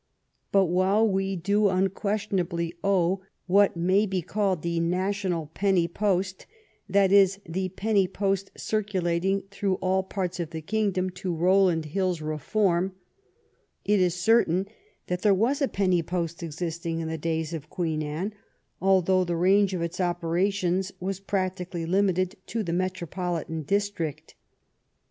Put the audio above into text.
But while we do unquestionably owe what may be called the national penny post, that is, the penny post circulating through all parts of the kingdom, to Bowland Hill's reform, it is certain that there was a penny post existing in the days of Queen Anne, al though the range of its operation was practically lim* ited to the metropolitan district.